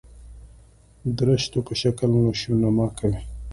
درشتو په شکل نشونما کوي.